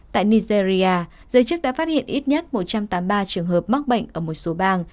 tại nigeria giới chức đã phát hiện ít nhất một trăm tám mươi ba trường hợp mắc bệnh ở một số bang